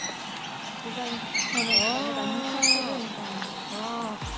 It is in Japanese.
デザイン盗難、なんか似ちゃってるみたいな。